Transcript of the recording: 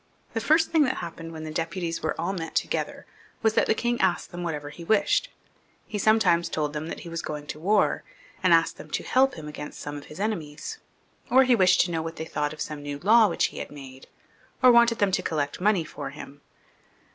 The first thing that happened when the deputies were all met together was that the king asked them whatever he wished to ask He sometimes told them that he was going to war, and asked them to help him against some of his enemies ; or he wished to know what they thought of some new law which he had made ; or wanted them to collect money for him.